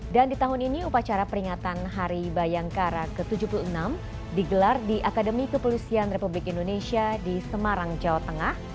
dan di tahun ini upacara peringatan hari bayangkara ke tujuh puluh enam digelar di akademi kepelusian republik indonesia di semarang jawa tengah